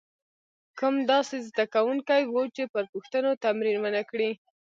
کم داسې زده کوونکي وو چې پر پوښتنو تمرین ونه کړي.